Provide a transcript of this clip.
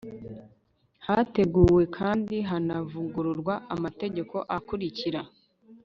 hateguwe kandi hanavugururwa amategeko akurikira